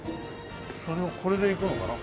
それをこれでいくのかな？